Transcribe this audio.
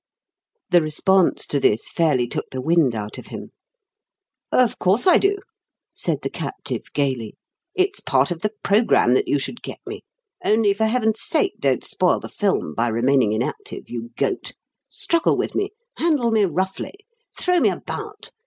The response to this fairly took the wind out of him. "Of course I do," said the captive, gaily; "it's part of the programme that you should get me. Only, for Heaven's sake, don't spoil the film by remaining inactive, you goat! Struggle with me handle me roughly throw me about.